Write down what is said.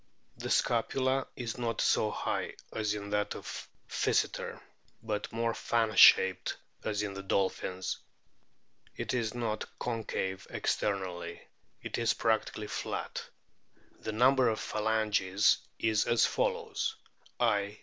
The scapula is not so high as is that of Physeter, but more fan shaped as in the dolphins. It is not concave externally ; it is practically flat. The number of phalanges is as follows: I, 2.